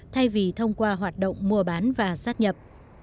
thay vì thông qua hoạt động mua bán và sát nhập